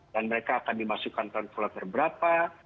dan mereka akan dimasukkan pengkelotaran berapa